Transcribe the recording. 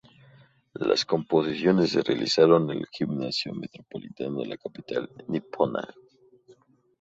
Las competiciones se realizaron en el Gimnasio Metropolitano de la capital nipona.